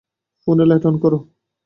ফোনের light on করো।